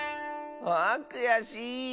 あくやしい！